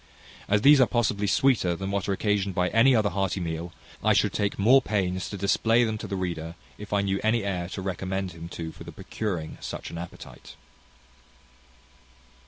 As these are possibly sweeter than what are occasioned by any other hearty meal, I should take more pains to display them to the reader, if I knew any air to recommend him to for the procuring such an appetite.